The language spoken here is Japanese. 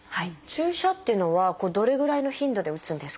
注射っていうのはどれぐらいの頻度で打つんですか？